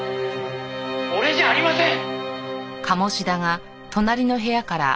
「俺じゃありません！」